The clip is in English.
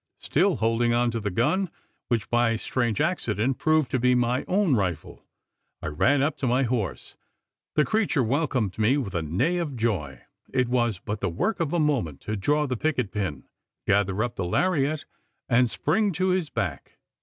Still holding on to the gun which, by a strange accident, proved to be my own rifle I ran up to my horse. The creature welcomed me with a neigh of joy! It was but the work of a moment to draw the picket pin, gather up the laryette, and spring to his back.